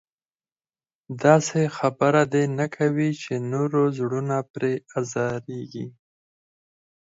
داسې خبره دې نه کوي چې نورو زړونه پرې ازارېږي.